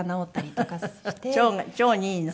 腸にいいの？